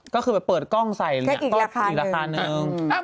ก็คือเปิดกล้องใส่อีกละคานึง